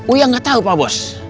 uya gak tau pak bos